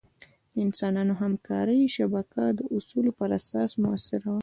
د انسانانو همکارۍ شبکه د اصولو پر اساس مؤثره وه.